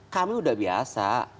kami udah biasa